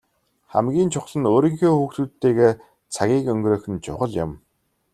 Хамгийн чухал нь өөрийнхөө хүүхдүүдтэйгээ цагийг өнгөрөөх нь чухал юм.